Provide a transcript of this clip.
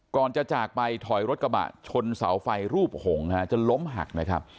ก่อนจะจากไปถอยรถกระบะชนเสาไฟรูปหงจนล้มหักนะครับ